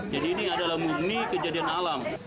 jadi ini adalah murni kejadian alam